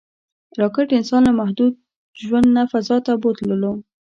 راکټ انسان له محدود ژوند نه فضا ته بوتلو